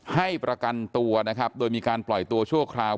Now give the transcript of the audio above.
ให้ประกันตัวนะครับโดยมีการปล่อยตัวชั่วคราว